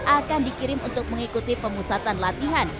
akan dikirim untuk mengikuti pemusatan latihan